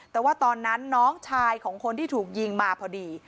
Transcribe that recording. แต่ว่าตอนนั้นน้องชายของคนที่ถูกยิงมาพอดี